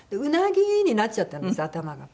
で鰻！になっちゃったんです頭が。